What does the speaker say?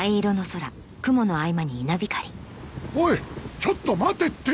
おいちょっと待てって！